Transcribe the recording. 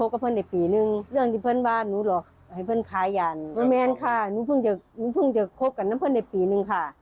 ก็เล่นยามั้งค่ะ